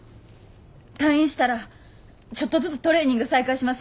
退院したらちょっとずつトレーニング再開します。